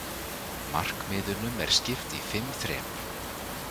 Markmiðunum er skipt í fimm þrep.